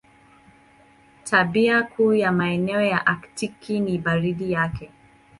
Tabia kuu ya maeneo ya Aktiki ni baridi yake.